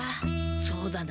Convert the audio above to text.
そうだな。